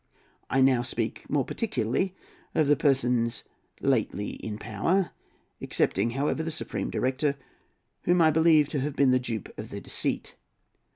I now speak more particularly of the persons lately in power, excepting, however, the Supreme Director, whom I believe to have been the dupe of their deceit.